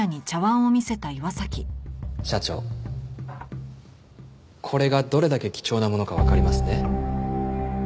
社長これがどれだけ貴重なものかわかりますね？